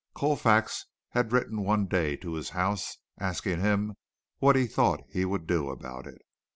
Colfax had written one day to his house asking him what he thought he would do about it.